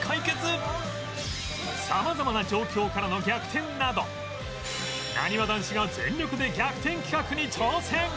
様々な状況からの逆転などなにわ男子が全力で逆転企画に挑戦！